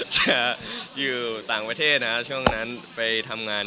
จะอยู่ต่างประเทศนะช่วงนั้นไปทำงาน